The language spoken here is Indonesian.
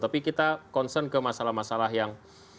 tapi kita concern ke masalah masalah yang